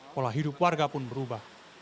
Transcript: pola hidup warga pun berubah